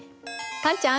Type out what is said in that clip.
カンちゃん